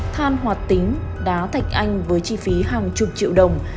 than hoạt tính đá thạch anh với chi phí hàng chục triệu đồng